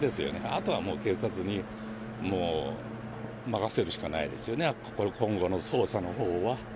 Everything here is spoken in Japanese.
あとはもう警察に、もう任せるしかないですよね、今後の捜査のほうは。